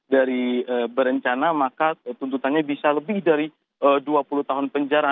dari berencana maka tuntutannya bisa lebih dari dua puluh tahun penjara